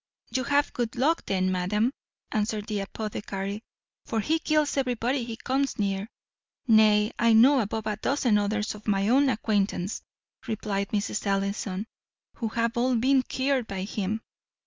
"You have had good luck, then, madam," answered the apothecary, "for he kills everybody he comes near." "Nay, I know above a dozen others of my own acquaintance," replied Mrs. Ellison, "who have all been cured by him."